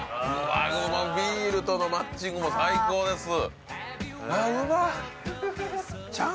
あこのビールとのマッチングも最高ですああ